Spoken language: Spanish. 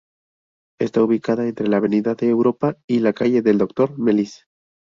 Está ubicada entre la avenida de Europa y la calle del Doctor Melis.